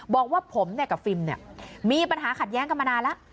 บอกว่าผมเนี่ยกับฟิล์มเนี่ยมีปัญหาขัดแย้งกันมานานแล้ว